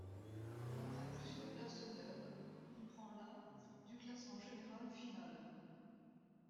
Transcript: Après plusieurs places d'honneur, il prend la du classement général final.